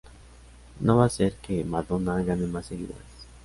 No va hacer que Madonna gane más seguidores.